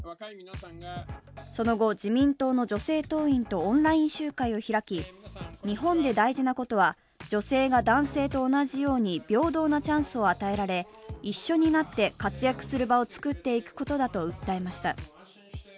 その後、自民党の女性党員とオンライン集会を開き日本で大事な事は女性が男性と同じように平等なチャンスを与えられ、一緒になって活躍する場を作っていくことだと訴えました。